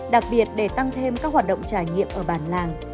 đặc biệt để tăng thêm các hoạt động trải nghiệm ở bản làng